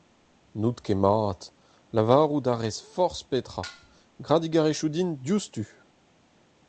N'out ket mat, lavarout a rez forzh petra, gra digarezioù din diouzhtu.